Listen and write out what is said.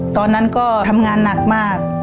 ตอนนั้นก็ทำงานหนักมาก